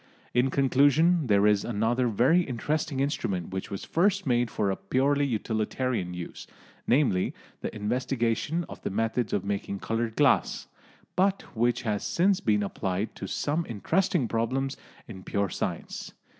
In conclusion, there is another very interesting instrument which was first made for a purely utilitarian use namely, the investigation of the methods of making coloured glass but which has since been applied to some interesting problems in pure science.